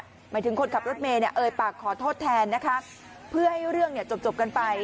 หมายถึงคนขับรถเมย์เนี่ยเอ่ยปากขอโทษแทนนะคะเพื่อให้เรื่องเนี่ยจบกันไป